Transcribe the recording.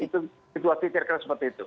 itu situasi terkenal seperti itu